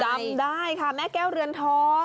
จำได้ค่ะแม่แก้วเรือนทอง